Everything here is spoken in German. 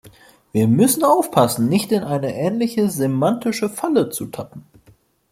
Wir müssen aufpassen, nicht in eine ähnliche semantische Falle zu tappen.